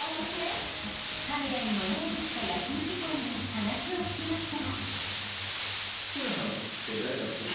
［カメラにも慣れてきた休み時間に話を聞きました］